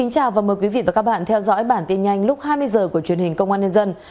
chào mừng quý vị đến với bản tin nhanh lúc hai mươi h của truyền hình công an nhân dân